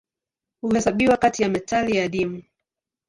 Huhesabiwa kati ya metali adimu.